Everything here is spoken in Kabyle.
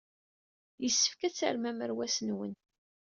Yessefk ad terrem amerwas-nwen.